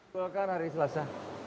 bukan hari selasa